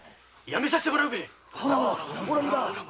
やめさせてもらうべぇ。